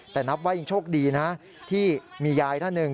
แต่นับว่ายังโชคดีนะที่มียายท่านหนึ่ง